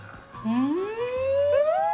うん！